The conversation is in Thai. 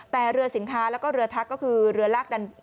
แต่เรือสินค้าแล้วก็เรือทักก็คือเรือลากดัน